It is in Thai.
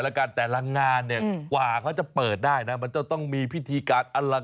เอาได้แล้วอยากจะสาวใช่ไหมล่ะ